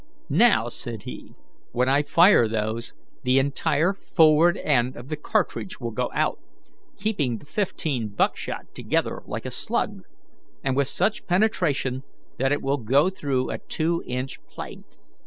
"Now," said he, "when I fire those, the entire forward end of the cartridge will go out, keeping the fifteen buckshot together like a slug, and with such penetration that it will go through a two inch plank.